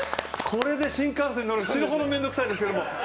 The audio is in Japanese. これで新幹線に乗るの死ぬほど面倒くさいですけど。